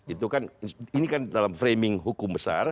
itu kan ini kan dalam framing hukum besar